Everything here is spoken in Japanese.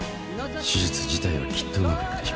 手術自体はきっとうまくいくでしょう。